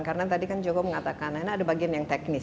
karena tadi kan joko mengatakan karena ada bagian yang teknis